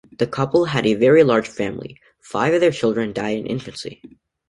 The couple had a very large family; five of their children died in infancy.